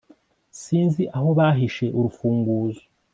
sinzi aho bahishe urufunguzo